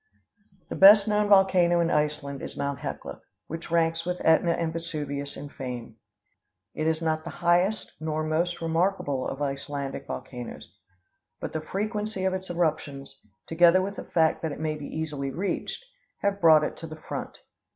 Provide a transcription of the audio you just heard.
The best known volcano in Iceland is Mt. Hecla, which ranks with Ætna and Vesuvius in fame. It is not the highest nor most remarkable of Icelandic volcanoes; but the frequency of its eruptions, together with the fact that it may be easily reached, have brought it to the front.